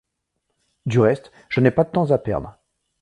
Du reste, je n’ai pas de temps à perdre!